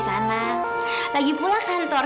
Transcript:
kamu tuh gak usah khawatir